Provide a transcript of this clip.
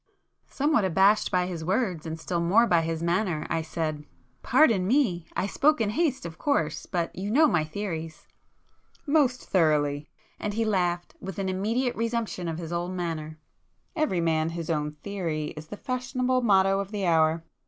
Somewhat abashed by his words and still more by his manner, I said— "Pardon me!—I spoke in haste of course,—but you know my theories—" "Most thoroughly!" and he laughed, with an immediate resumption of his old manner—"'Every man his own theory' is the fashionable motto of the hour.